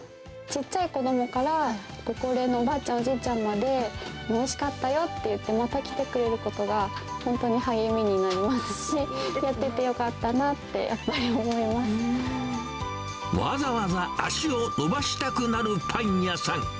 ちっちゃい子どもからご高齢のおばあちゃん、おじいちゃんまで、おいしかったよって言って、また来てくれることが、わざわざ足を伸ばしたくなるパン屋さん。